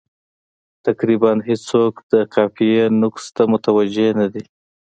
تقریبا هېڅوک د قافیې نقص ته متوجه نه دي.